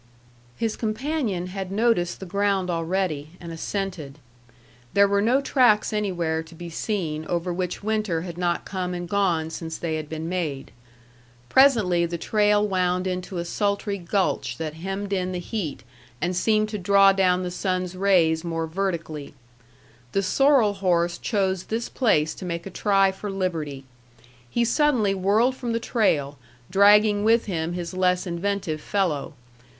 His companion had noticed the ground already, and assented. There were no tracks anywhere to be seen over which winter had not come and gone since they had been made. Presently the trail wound into a sultry gulch that hemmed in the heat and seemed to draw down the sun's rays more vertically. The sorrel horse chose this place to make a try for liberty. He suddenly whirled from the trail, dragging with him his less inventive fellow.